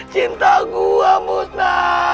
cinta gue musnah